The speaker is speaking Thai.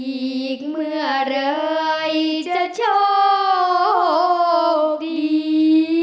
อีกเมื่อไหร่จะโชคดี